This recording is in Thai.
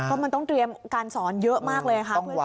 ก็มันต้องเตรียมการสอนเยอะมากเลยค่ะ